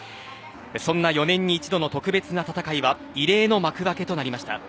そんな４年に１度の特別な戦いは異例の幕開けとなりました。